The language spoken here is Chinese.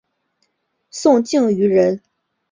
宋敬舆人。